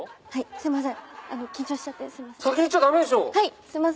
すいません。